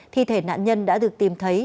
thi thể nạn nhân đã được tìm thấy